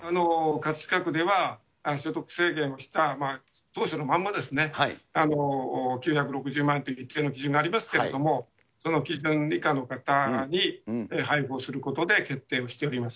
葛飾区では、所得制限をした当初のまま、９６０万円という一定の基準がありますけれども、その基準以下の方に配布をすることで決定しております。